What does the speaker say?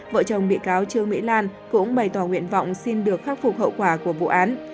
vợ chồng bị cáo trương mỹ lan cũng bày tỏ nguyện vọng xin được khắc phục hậu quả của vụ án